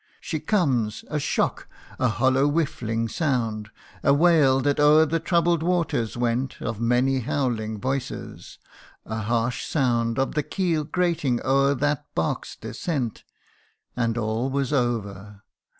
She comes ! a shock a hollow whirling sound (') A wail that o'er the troubled waters went Of many howling voices ; a harsh sound Of the keel grating o'er that bark's descent; And all was over